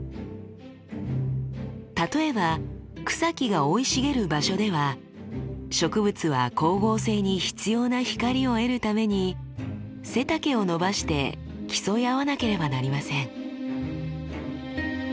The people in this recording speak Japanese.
例えば草木が生い茂る場所では植物は光合成に必要な光を得るために背丈を伸ばして競い合わなければなりません。